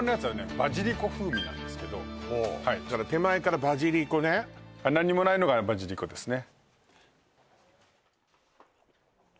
バジリコ風味なんですけど手前からバジリコね何もないのがバジリコですね